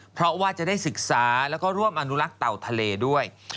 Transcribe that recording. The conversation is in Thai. เพราะว่าจะได้ศึกษาแล้วก็ร่วมอนุรักษ์เต่าทะเลด้วย